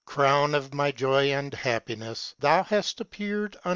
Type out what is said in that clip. CRcnvn of my joy and happi ncife thou haft appeared an.